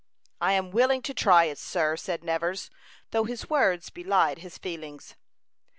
"I am willing to try it, sir," said Nevers, though his words belied his feelings.